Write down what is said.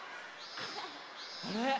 あれ？